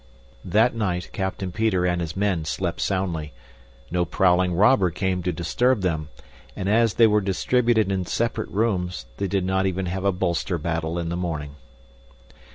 That night Captain Peter and his men slept soundly. No prowling robber came to disturb them, and, as they were distributed in separate rooms, they did not even have a bolster battle in the morning.